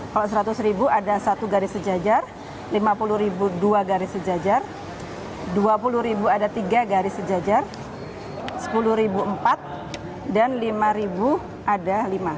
kalau rp seratus ada satu garis sejajar rp lima puluh dua garis sejajar rp dua puluh ada tiga garis sejajar rp sepuluh empat dan rp lima ada lima